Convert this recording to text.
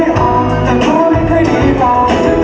อย่างนั้นก็อยู่ตอนที่เขาโหล